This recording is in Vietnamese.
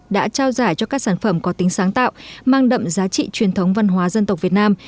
đã trao giải cho các sản phẩm có tính sáng tạo mang đậm giá trị truyền thống văn hóa dân tộc việt nam